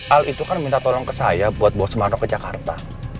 al itu kan minta tolong ke saya buat bosan ke jakarta